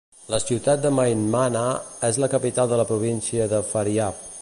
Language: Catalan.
La ciutat de Maymana és la capital de la província de Faryab.